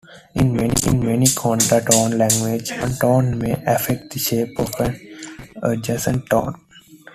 In many contour-tone languages, one tone may affect the shape of an adjacent tone.